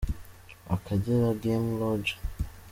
–« Akagera Game Lodge ».